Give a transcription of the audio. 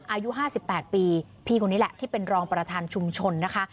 อายุ๕๘ปีพี่คนนี้แหละที่เป็นรองประธานชุมชนนะคะ